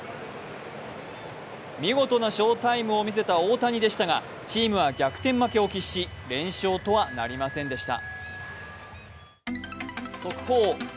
見事な翔タイムを見せた大谷でしたがチームは逆転負けを喫し連勝とはなりませんでした。